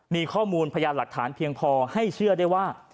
มีข้อมูลพยานหลักฐานเพียงพอให้เชื่อได้ว่า